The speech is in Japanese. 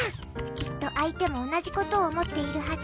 きっと相手も同じことを思っているはず。